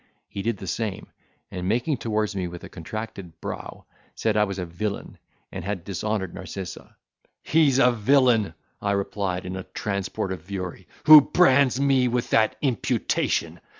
He did the same, and making towards me with a contracted brow, said I was a villain, and had dishonoured Narcissa. "He's a villain," I replied, in a transport of fury, "who brands me with that imputation!